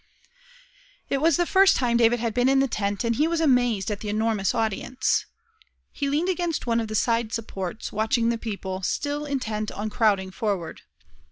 It was the first time David had been in the tent, and he was amazed at the enormous audience. He leaned against one of the side supports, watching the people, still intent on crowding forward.